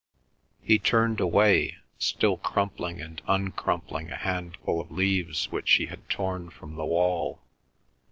He turned away, still crumpling and uncrumpling a handful of leaves which he had torn from the wall.